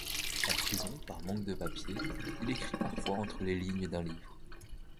En prison, par manque de papier, il écrit parfois entre les lignes d'un livre.